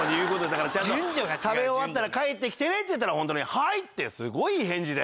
だからちゃんと「食べ終わったら帰ってきてね」って言ったらホントに「はい！」ってすごいいい返事で。